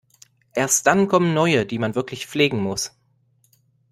Erst dann kommen neue, die man wirklich pflegen muss.